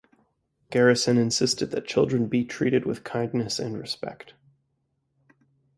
Garrison insisted that children be treated with kindness and respect.